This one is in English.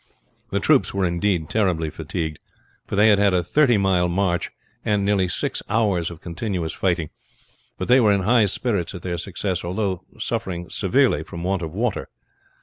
The troops were indeed terribly fatigued, for they had had a thirty miles' march, and nearly six hours continuous fighting; but they were in high spirits at their success, although suffering severely from want of water.